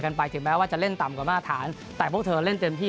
ไปถึงแม้ว่าจะเล่นต่ำกว่ามาตรฐานแต่พวกเธอเล่นเต็มที่